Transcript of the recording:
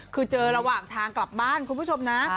คือเจอระหว่างทางกลับบ้านคุณผู้ชมนะ